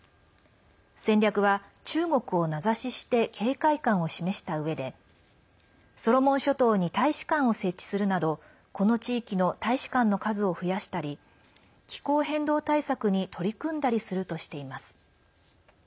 戦略は中国を名指しして警戒感を示したうえでソロモン諸島に大使館を設置するなどこの地域の大使館の数を増やしたり気候変動対策に取り組んだりするとしています。